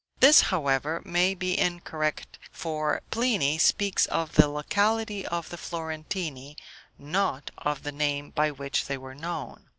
This, however, may be incorrect, for Pliny speaks of the locality of the Florentini, not of the name by which they were known.